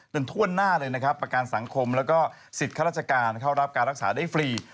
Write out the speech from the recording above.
ถ้วนหน้าเลยนะครับประกันสังคมแล้วก็สิทธิ์ข้าราชการเข้ารับการรักษาได้ฟรี